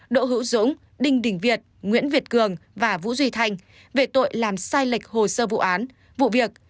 đỗ hữu dũng đinh đình việt nguyễn việt cường và vũ duy thành về tội làm sai lệch hồ sơ vụ án vụ việc